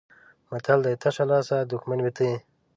متل دی: تشه لاسه دښمن مې ته یې.